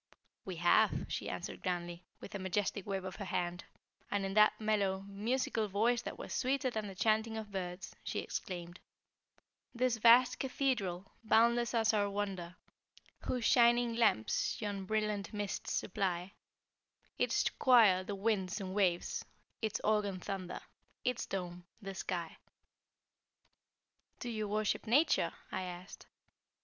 "We have;" she answered grandly, with a majestic wave of her hand, and in that mellow, musical voice that was sweeter than the chanting of birds, she exclaimed: "This vast cathedral, boundless as our wonder; Whose shining lamps yon brilliant mists[A] supply; Its choir the winds, and waves; its organ thunder; Its dome the sky." [Footnote A: Aurora Borealis] "Do you worship Nature?" I asked.